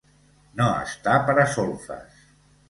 No estar per a solfes.